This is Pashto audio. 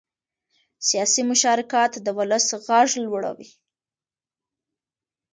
سیاسي مشارکت د ولس غږ لوړوي